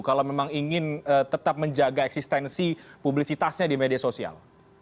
kalau memang ingin tetap menjaga eksistensi publisitasnya di media sosial